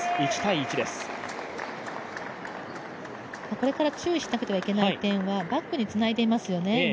これから注意しなくてはいけない点は、バックにつなげてますよね、今。